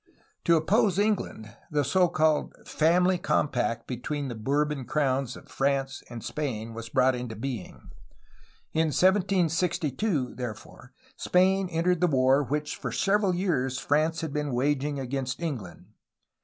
To oppose England, the so called Family Compact between the Bourbon crowns of France and Spain was brought into being. In 1762, therefore, Spain entered the war which for several years France had been waging against England.